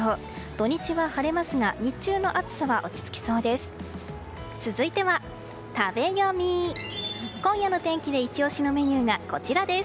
土日は晴れますが日中の暑さは落ち着きそうです。